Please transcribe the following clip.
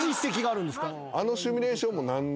あのシミュレーションも。